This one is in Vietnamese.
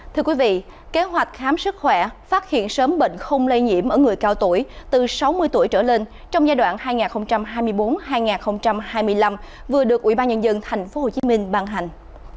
thưa quý vị kế hoạch khám sức khỏe phát hiện sớm bệnh không lây nhiễm ở người cao tuổi từ sáu mươi tuổi trở lên trong giai đoạn hai nghìn hai mươi bốn hai nghìn hai mươi năm vừa được ủy ban nhân dân tp hcm bàn hành